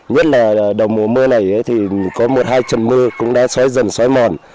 nhất là đầu mùa mưa này thì có một hai trầm mưa cũng đã xói dần xói mòn